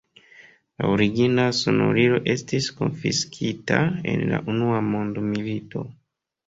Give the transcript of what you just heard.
La origina sonorilo estis konfiskita en la unua mondmilito.